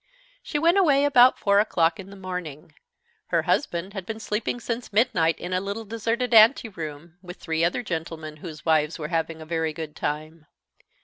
She went away about four o'clock in the morning. Her husband had been sleeping since midnight, in a little deserted anteroom, with three other gentlemen whose wives were having a very good time.